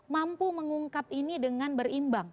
mampu mengungkap ini dengan berimbang